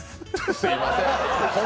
すみません。